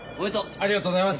ありがとうございます。